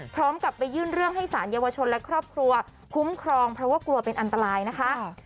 พร้อมกับไปยื่นเรื่องให้สารเยาวชนและครอบครัวคุ้มครองเพราะว่ากลัวเป็นอันตรายนะคะ